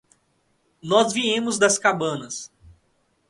Nós viemos das cabanas.